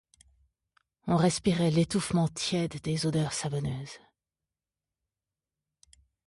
On respirait l'étouffement tiède des odeurs savonneuses.